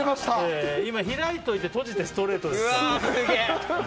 今、開いておいて閉じてストレート。